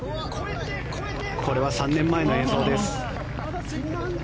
これは３年前の映像です。